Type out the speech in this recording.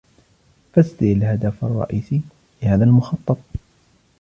فسر الهدف الرئيسي لهذا المخطط